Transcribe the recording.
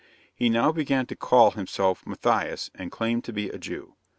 He now began to call himself Matthias, and claimed to be a Jew.